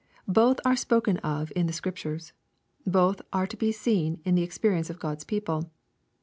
Both are spoken of in the Scriptures. Both are to be seen in the experience of God's people.